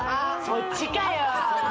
そっちかよ